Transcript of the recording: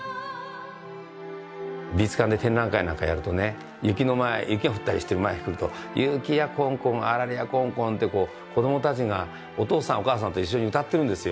美術館で展覧会なんかやるとね雪が降ったりしてる前に来ると雪やこんこん霰やこんこんって子どもたちがお父さんお母さんと一緒に歌ってるんですよ。